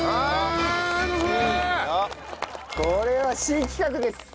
これは新企画です。